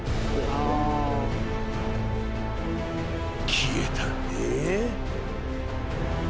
［消えた］